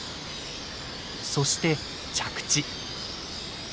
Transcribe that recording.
そして着地。